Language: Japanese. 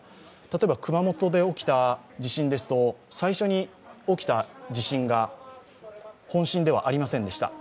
例えば熊本で起きた地震ですと、最初に起きた地震が本震ではありませんでした。